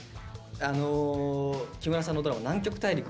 あの木村さんのドラマ「南極大陸」。